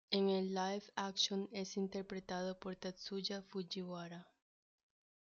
En el Live-Action es interpretado por Tatsuya Fujiwara.